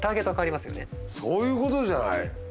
そういうことじゃない？